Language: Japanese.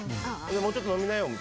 もうちょっと飲みなよって。